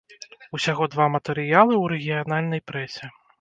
Усяго два матэрыялы ў рэгіянальнай прэсе.